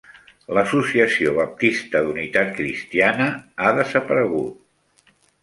L'Associació Baptista d'Unitat Cristiana ha desaparegut.